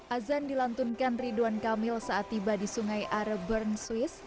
azan dilantunkan ridwan kamil saat tiba di sungai are bern swiss